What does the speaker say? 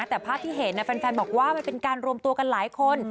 แต่ภาพที่เห็นแฟนบอกว่ามันเป็นการรวมตัวกันหลายคน